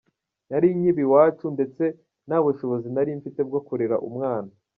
Nari nkiba iwacu ndetse nta bushobozi nari mfite bwo kurera umwana.